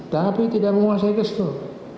tapi tidak menguasai gestur